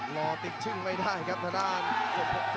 รอติดจึงไม่ได้ครับธนาค